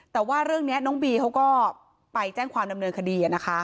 แต่ว่าเรื่องนี้น้องบีเขาก็ไปแจ้งความดำเนินคดี